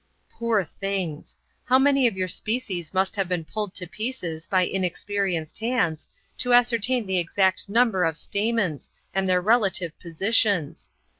Poor things! How many of your species must have been pulled to pieces by inexperienced hands, to ascertain the exact number of stamens, and their relative positions!